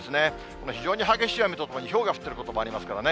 この非常に激しい雨とともにひょうが降ってくることもありますからね。